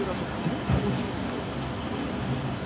どんなお仕事をしていらっしゃるんですか？